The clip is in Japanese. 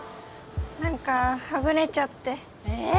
何かはぐれちゃってええ？